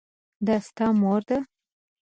دا ستا مور ده ؟